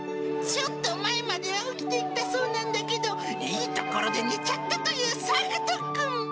ちょっと前まで起きていたそうなんだけど、いいところで寝ちゃったというさくとくん。